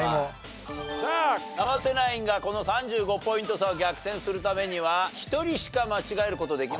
さあ生瀬ナインがこの３５ポイント差を逆転するためには１人しか間違える事できません。